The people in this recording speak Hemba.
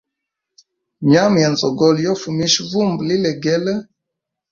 Nyama ya nzogolo yo fumisha vumba lilegele.